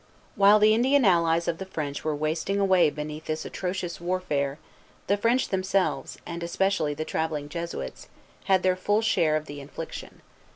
While the Indian allies of the French were wasting away beneath this atrocious warfare, the French themselves, and especially the travelling Jesuits, had their full share of the infliction.